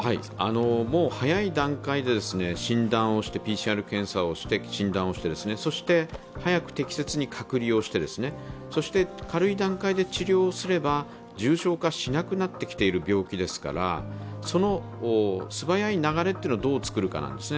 早い段階で、ＰＣＲ検査をして診断をしてそして早く適切に隔離をして、軽い段階で治療をすれば重症化しなくなってきている病気ですから素早い流れをどう作るかなんですね。